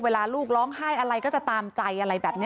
ลูกร้องไห้อะไรก็จะตามใจอะไรแบบนี้